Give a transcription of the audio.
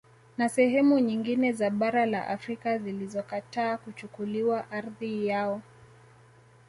Na sehemu nyingine za bara la Afrika zilizokataa kuchukuliwa ardhi yao